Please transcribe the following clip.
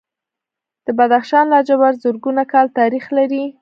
د بدخشان لاجورد زرګونه کاله تاریخ لري